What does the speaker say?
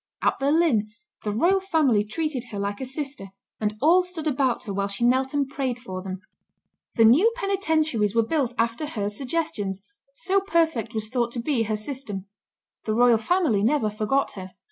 At Berlin, the royal family treated her like a sister, and all stood about her while she knelt and prayed for them. The new penitentiaries were built after her suggestions, so perfect was thought to be her system. The royal family never forget her.